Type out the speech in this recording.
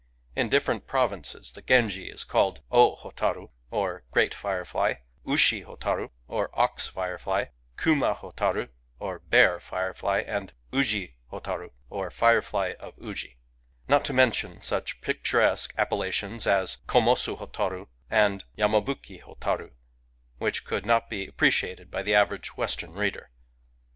In different prov inces the Genji is called O botarUy or " Great Fire fly "; Usbi'botarUy or " Ox Firefly "; Kuma botarUy or " Bear Firefly "; and Uji botarUy or " Firefly of Uji," — not to mention such picturesque appella tions as KomosO'botaru and Tamabuki botarUy which could not be appreciated by the average Western reader.